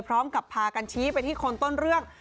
พร้อมกับพากันชี้ไปที่คนต้นเรื่อง